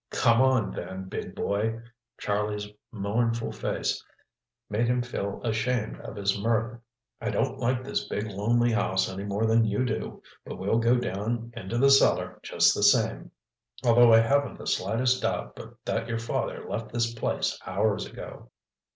"Come on, then, big boy." Charlie's mournful face made him feel ashamed of his mirth. "I don't like this big lonely house any more than you do, but we'll go down into the cellar just the same, although I haven't the slightest doubt but that your father left this place hours ago."